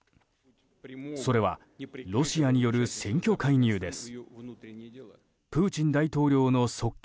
それは、ロシアによる選挙介入です。